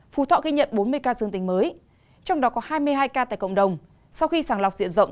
phú thọ ghi nhận bốn mươi ca dương tính mới trong đó có hai mươi hai ca tại cộng đồng sau khi sàng lọc diện rộng